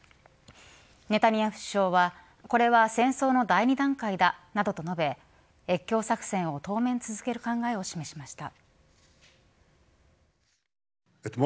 ネタニヤフ首相はこれは戦争の第２段階だなどと述べ越境作戦を当面続ける考えを示しました。